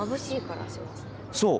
そう！